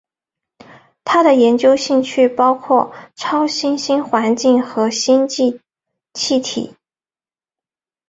他的研究兴趣包括超新星环境和星际气体。